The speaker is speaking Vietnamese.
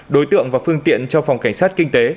đối tượng và phương tiện cho phòng cảnh sát kinh tế